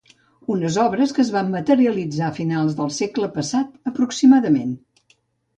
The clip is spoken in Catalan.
Unes obres que es van materialitzar a finals del segle passat aproximadament.